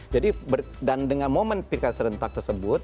dan dengan momen pilkada serentak tersebut